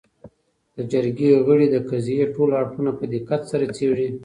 . د جرګې غړي د قضیې ټول اړخونه په دقت سره څېړي